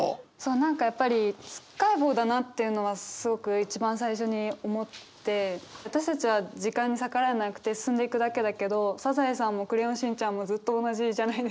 何かやっぱりつっかえ棒だなっていうのはすごく一番最初に思って私たちは時間に逆らえなくて進んでいくだけだけど「サザエさん」も「クレヨンしんちゃん」もずっと同じじゃないですか。